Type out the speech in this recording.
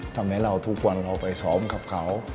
ทำให้เราทุกวันเราไปซ้อมกับเขา